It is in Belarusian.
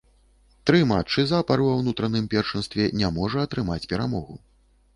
Тры матчы запар ва ўнутраным першынстве не можа атрымаць перамогу.